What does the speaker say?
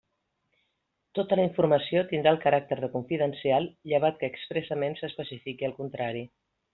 Tota la informació tindrà el caràcter de confidencial llevat que expressament s'especifiqui el contrari.